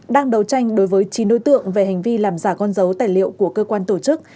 đang đấu tranh đối với chín đối tượng về hành vi làm giả con dấu tài liệu của cơ quan tổ chức